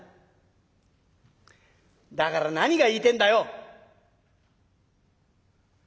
「だから何が言いてえんだよ」。